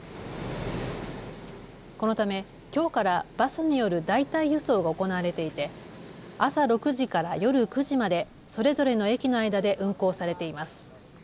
このためきょうからバスによる代替輸送が行われていて朝６時から夜９時までそれぞれの駅の間で運行されています。